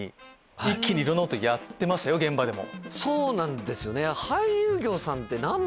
そうなんですよね。